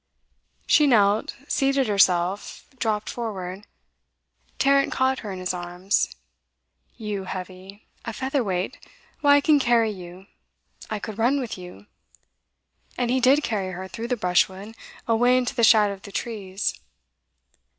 She knelt, seated herself, dropped forward. Tarrant caught her in his arms. 'You heavy! a feather weight! Why, I can carry you; I could run with you.' And he did carry her through the brushwood, away into the shadow of the trees.